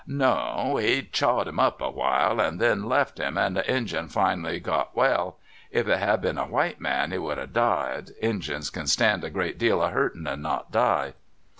"No; he chawed him up awhile, and then left him, and the Injun finally got well. If it had been a white man, he would have died. Injuns can stand a great deal of hurtin' and not die."